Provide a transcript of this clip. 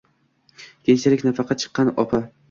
Keyinchalik nafaqaga chiqqan opa.